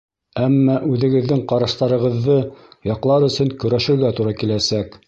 Әммә үҙегеҙҙең ҡараштарығыҙҙы яҡлар өсөн көрәшергә тура киләсәк.